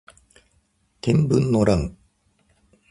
天文の乱